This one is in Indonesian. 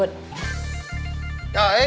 anton di jepot